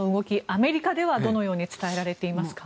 アメリカではどのように伝えられていますか。